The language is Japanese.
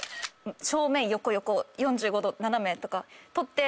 正面横横４５度斜めとか撮って。